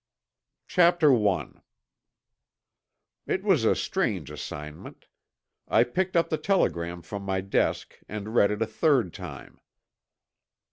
CHAPTER I It was a strange assignment. I picked up the telegram from my desk and read it a third time.